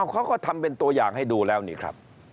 เขาก็ทำเป็นตัวอย่างให้ดูแล้วนี่ครับ